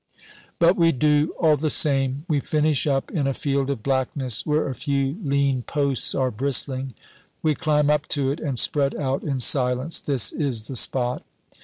But we do, all the same. We finish up in a field of blackness where a few lean posts are bristling. We climb up to it, and spread out in silence. This is the spot.